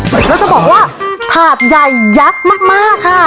แล้วจะบอกว่าถาดใหญ่ยักษ์มากค่ะ